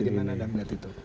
bagaimana anda melihat itu